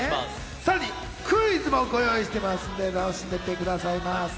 さらにクイズもご用意してますんで、楽しんでってくださいませ。